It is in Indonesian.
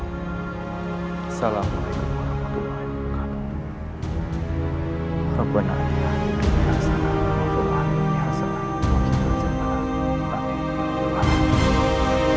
assalamu'alaikum warahmatullahi wabarakatuh